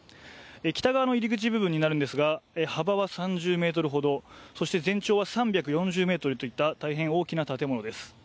北側の入り口部分になりますが、幅は３０ｍほどそして全長は３４０ｍといった大変大きな建物です。